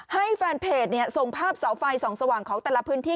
ให้แฟนเพจส่งภาพเสาไฟส่องสว่างของแต่ละพื้นที่